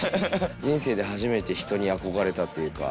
人生で初めてひとに憧れたというか。